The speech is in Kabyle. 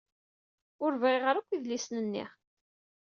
Ur ɣriɣ ara akk idlisen-nni.